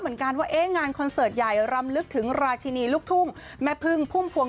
เหมือนกันว่างานคอนเสิร์ตใหญ่รำลึกถึงราชินีลูกทุ่งแม่พึ่งพุ่มพวง